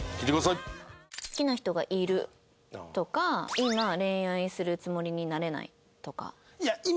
好きな人がいるとか今恋愛するつもりになれないとか。